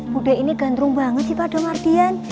bu deh ini gandrung banget sih pada mardian